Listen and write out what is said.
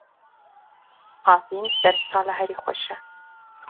Havîn demsala herî xweş e.